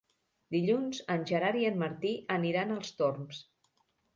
Dilluns en Gerard i en Martí aniran als Torms.